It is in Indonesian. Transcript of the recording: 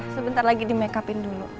sebentar lagi di makeupin dulu